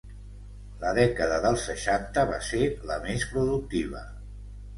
La dècada del seixanta va ser la més productiva.